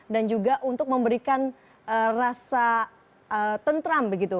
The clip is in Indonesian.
dan juga untuk memberikan rasa tentram begitu